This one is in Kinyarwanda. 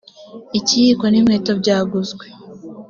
ikiyiko ni inkweto byaguzwe